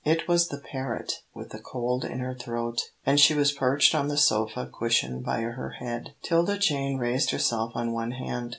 It was the parrot with the cold in her throat, and she was perched on the sofa cushion by her head. 'Tilda Jane raised herself on one hand.